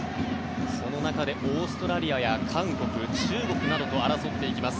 その中でオーストラリアや韓国、中国などと争っていきます。